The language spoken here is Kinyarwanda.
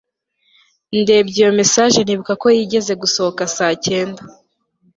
ndebye iyo message nibuka ko yigeze gusohoka saacyenda